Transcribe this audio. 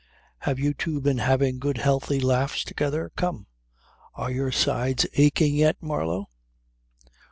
Have you two been having good healthy laughs together? Come! Are your sides aching yet, Marlow?"